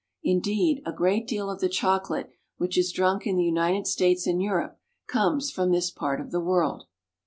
Indeed, a great deal of the chocolate which is drunk in the United States and Europe comes from this part of the world.